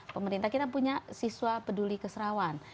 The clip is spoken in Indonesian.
pemerintah kita punya siswa peduli keserawan